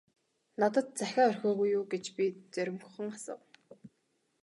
- Надад захиа орхиогүй юу гэж би зоримогхон асуув.